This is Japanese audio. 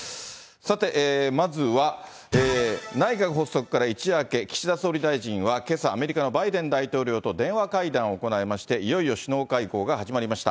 さて、まずは内閣発足から一夜明け、岸田総理大臣はけさ、アメリカのバイデン大統領と電話会談を行いまして、いよいよ首脳外交が始まりました。